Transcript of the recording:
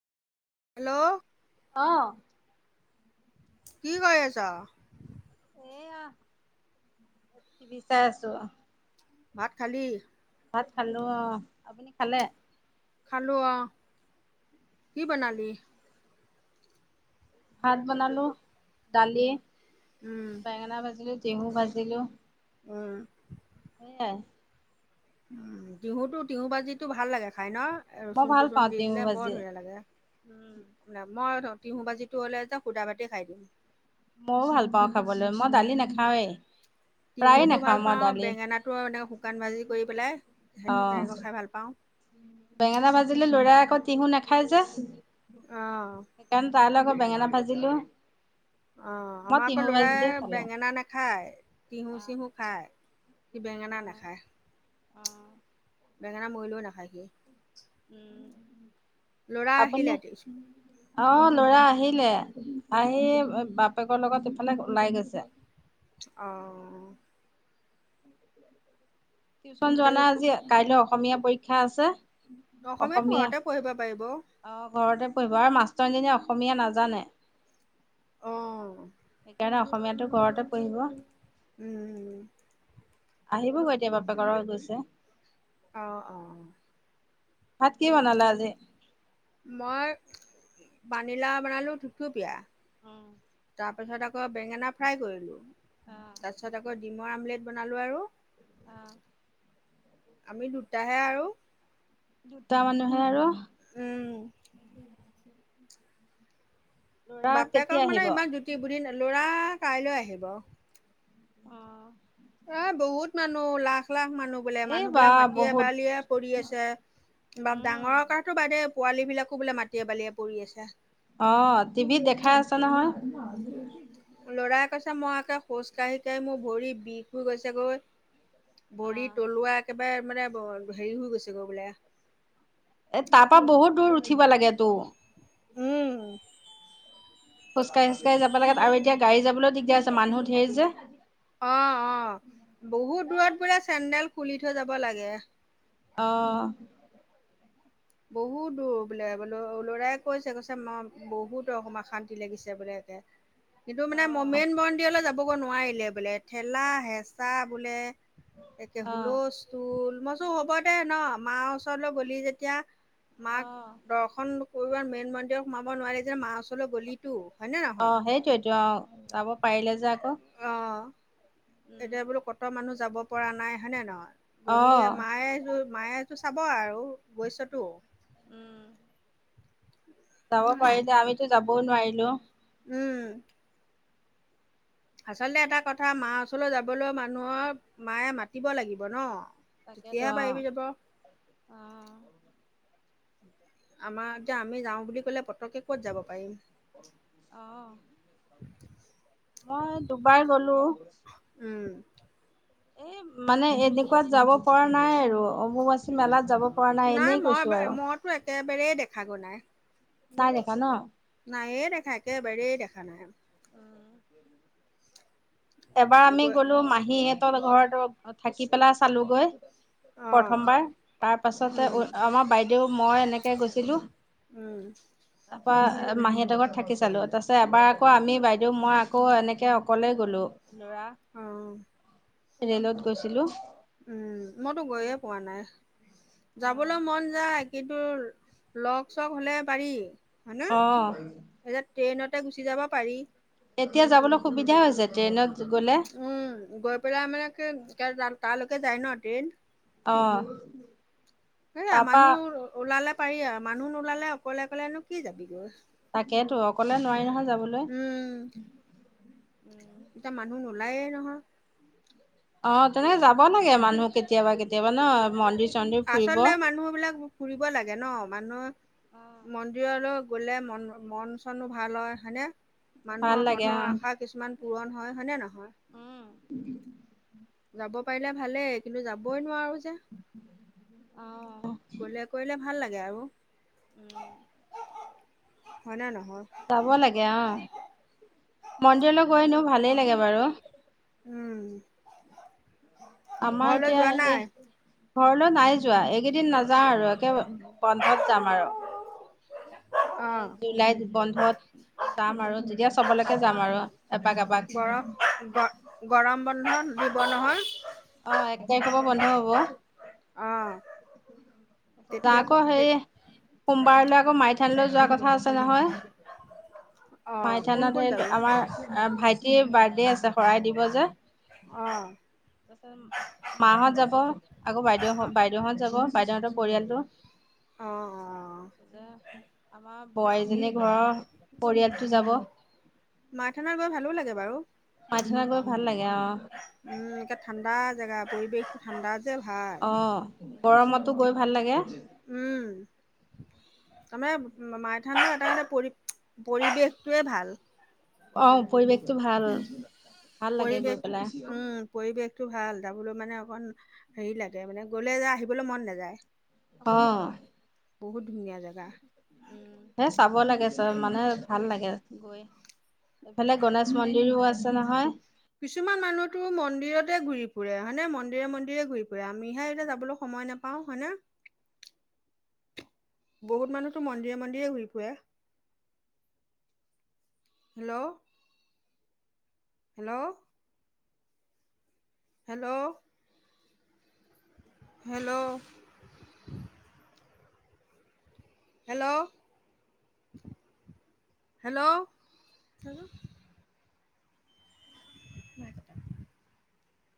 Hello আহ কি কৰি আছা। এয়া টিভি চাই আছো। ভাত খালি? ভাত খালো অ। আপুনি খালে? খালো অ। কি বনালি? ভাত বনালো, দালি, উম, বেঙেনা ভাজিলো। তিহু ভাজিলো। উম, এ উ তিহুতো তিহু বাজিটো ভাল লাগে খাই ন। মই ৰচুন ভাল চচুন পাওঁ দি টেহু দিলে বৰ ভাজি। ধুনীয়া লাগে। মই তিহু ভাজিটো হ'লে যে শুধা ভাতে খাই দিম। [unintelligible] ময়ও ভাল পাওঁ খাবলৈ মই দালি নাখাওৱে। তিহুটো ভাল পাওঁ বেঙেনাটো এনেক শুকান ভাজি কৰি পেলাই সেই অ'। তেনেকৈ খাই ভাল পাওঁ। [unintelligible] বেঙেনা ভাজিলে লৰাই আকৌ তিহু নাখায় যে। অঁ, সেইকাৰণে তাল আকৌ বেঙেনা ভাজিলো। অ মই আমাৰ আকৌ টিহু ভাজিটোৱে লৰাই খালো। বেঙেনা নাখায় তিহু অ', চিহু খায়। বেঙেনা অ', নাখায় অ বেঙেনা মৰিলও নাখায় সি। ল'ৰা আপুনি আহিলে? অ লৰা আহি লে আহি বাপেকৰ লগত ইফালে ওলাই গৈছে। অহ টিউশ্যন যোৱা এতিয়া নাই সি আজি কাইলৈ অসমীয়া পৰীক্ষা আছে। অসমীয়াত অসমীয়া ঘৰতে পঢ়িব পাৰিব। অহ ঘৰতে কৰিব আৰু মাষ্টৰনিজনীয়ে অসমীয়া নাজানে। অ'। সেইকাৰণে অসমীয়াটো ঘৰতে পঢ়িব। উম, আহিবগৈ এতিয়া বাপেকৰ লগত গৈছে। অ অ অ ভাত কি বনালা আজি? মই পানীলাউ বনালো থুপথুপীয়া। উম তাৰপাছত আকৌ বেঙেনা ফ্ৰাই কৰিলোঁ। অ তাৰপিছত আকৌ ডিমৰ আমলেট বনালোঁ আৰু অহ আমি দুটাহে আৰু। দুটা মানুহে আৰু। উম [inaudible] ল'ৰা বাপেকক কেতিয়া মানে আহিব অ ইমান জুতি পুতি নাই লৰা কাইলৈ আহিব অ এ বহুত মানুহ লাখ লাখ মানুহ বোলে এই মানুহ বা বিলাক মাটিয়ে বহুত বাৰিয়ে পৰি আছে বা উম ডাঙৰৰ কাৰণে বাদে পোৱালিব বিলাকো বোলে মাটিয়ে বালিয়ে পৰি আছে। অ টিভিত দেখাই আছে নহয়। লৰাই কৈছে মই আক খোজ কাঢ়ি কাঢ়ি মোৰ ভৰি বিষ হৈ গৈছেগৈ ভৰি অ তলুৱা একেবাৰে মানে হেৰি হৈ গৈছে গৈ বোলে। এ তাৰপা বহুত দূৰ উঠিব লাগে তো উম। খোজকাঢ়ি খোজকাঢ়ি যাব লাগে আৰু এতিয়া গাড়ী যাবলৈও দিগদাৰ আছে মানুহ ধেৰ যে অ অ বহুত দূৰত বোলে চেন্দেল খুলি থৈ যাব লাগে। অহ বহুত দূৰ বোলে বোলে লৰাই কৈছে কৈছে ম বহুত অসমৰ শান্তি লাগিছে বোলে লে সেইটো অ মানে মই মেইন মন্দিৰলৈ যাবগৈ নোৱাৰিলে বোলে ঠেলা হেঁচা বোলে। তে হুলস্থুল মইচো হ'ব দে ন মাৰ ওচৰলৈ গলি যেতিয়া অ মাক দৰ্শন কৰিব মেইন মন্দিৰত সোমাব নোৱাৰি যে মাৰ ওচৰলৈ গ'লিতো হয়নে অ নহয়? সেইটোৱেটো অ যাব পাৰিলে যে আকৌ অ উম এতিয়া বোলো কত মানুহ যাব পৰা নাই হয়নে নহয়। অ গলি মায়েটো মায়েটো চাব আৰু গৈছতো উম যাব পাৰিলে আমি তো যাব নোৱাৰিলোঁ উম আঁচলতে এটা কথা মাৰ ওচৰলৈ যাবলৈ মানুহৰ মায়ে মাতিব লাগিব ন তাকেতো তেতিয়াহে অ পাৰিবি যাব অ আমাৰ এতিয়া আমি যাও বুলি ক'লে পতককে ক'ত যাব পাৰিম অহ মই দুবাৰ গলো উম এ মানে এনেকুৱাত যাব পৰা নাই আৰু অম্বুবাচী মেলাত যাব পৰা নাই এনেই মই গৈছো আৰু। মইতো একেবাৰেই দেখাগৈ নাই নাই দেখা ন। নাইয়ে দেখা একেবাৰেই দেখা নাই। উম এবাৰ আমি গৈ গ'লো মাহীঁতৰ ঘৰত থাকি পেলাই চালোগৈ। অ প্ৰথমবাৰ তাৰপাছতে উম আমাৰ বাইদেউ মই এনেকে গৈছিলোঁ। উম তাপা মাহীঁহতৰ ঘৰত থাকি চালোঁ। তাৰপিছত এবাৰ আকৌ আমি বাইদেউ মই আকৌ এনেকৈ অকলেই গ'লোঁ। লৰা অ ৰেলত গৈছিলোঁ। উম মইতো গৈয়ে পোৱা নাই, যাবলৈ মন যায়। কিন্তু লগ চগ হ'লে পাৰি। হয়নে আহ এতিয়া ট্ৰেইনতে গুচি যাব পাৰি। এতিয়া যাবলৈ সুবিধা হৈছে ট্ৰেইনত গ'লে উম গৈ পেলাই মান তালৈকে যায় ন ট্ৰেইন অ এয়া তাৰপা মানুহ ওলালে পাৰি আৰু মানুহ নোলালে অকলে অকলেনো কি যাবি গৈ। তাকে ত অকলে নোৱাৰি নহয় যাবলৈ। উম এতিয়া মানুহ নোলায়ে নহয়। অ তেনেকে যাব লাগে মানুহ কেতিয়াবা কেতিয়াবা ন মন্দিৰ। চন্দিৰ আচলতে ফুৰিব মানুহ বিলাক ফুৰিব লাগে ন মানুহৰ মন্দিৰলো। গ'লে মন মন চনো ভাল হয় হনে। ভাল মানুহৰ লাগে মনৰ আশা কিছুমান পূৰণ হয় হয়নে নহয়। যাব পাৰিলে ভালেই কিন্তু যাবই নোৱাৰো। যে অ। গলে কৰিলে ভাল লাগে আৰু। উম। হয় না ন- যাব লাগে অ মন্দিৰলৈ গৈ নো ভালেই লাগে বাৰু। উম আমাৰ ঘৰলৈ এতিয়া যোৱা একে। নাই ঘৰলৈ নাই যোৱা এইকেইদিন নাযাওঁ আৰু একে বন্ধত যাম আৰু। অ এ জুলাইত বন্ধত যাম আৰু যেতিয়া চবলৈকে যাম আৰু। এপাক এপাক। গৰম গ গৰম বন্ধ দিব নহয়। অ এক তাৰিখৰ পৰা বন্ধ হব। অ। তেতিয়া তাকো সেয়ে। সোমবাৰলৈ আকৌ মাইথানলৈ যোৱা কথা আছে অ নহয়। মাই কোন কোন থানত হেৰি যাবি আমাৰ ভাইটিৰ বাৰ্থ ডে আছে শৰাই দিব যে। অ। মাহত যাব আকৌ বাইদেউ বাইদেউহত যাব বাইদেউহতৰ পৰিয়ালটো। অ তাতে আমাৰ বোৱাৰীজনী ঘৰৰ। পৰিয়ালটো যাব মাইথানত গৈ ভালো লাগে বাৰু। মাইথনত গৈ ভাল লাগে আহ। উম একে ঠাণ্ডা জেগা পৰিৱেশটো ঠাণ্ডা যে ভাল। অ গৰমতো গৈ ভাল লাগে। অ উম। তাৰমানে মাইথানৰ এটা পৰি পৰিৱেশটোৱে ভাল। আহ পৰিৱেশটো ভাল। ভাল লাগে গৈ পৰিৱেশ পেলাই। উম পৰিৱেশটো ভাল তাৰ বোলো মানে অকন হেৰি লাগে মানে গ'লে যে আহিবলৈ মন নাযায়। আহ। বহুত ধুনীয়া জেগা। এ, চাব লাগে, চ মানে, ভাল লাগে গৈ। এইফালে গণেশ মন্দিৰো আছে নহয়। তাতে ঘূৰি ফুৰে হয়নে। মন্দিৰে, মন্দিৰে ঘূৰি ফুৰে। আমিহে এতিয়া যাবলৈ সময় নাপাওঁ হয় নে। [inaudible] বহুত মানুহতো মন্দিৰে, মন্দিৰে ঘুৰি ফুৰে। Hello! Hello! Hello! Hello! Hello? Hello? [inaudible]